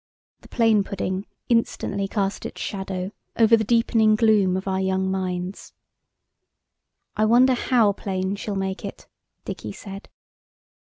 The plain pudding instantly cast its shadow over the deepening gloom of our young minds. "I wonder how plain she'll make it?" Dicky said.